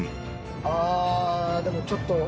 ああーでもちょっと。